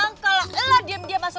nggak ada buktinya nyomut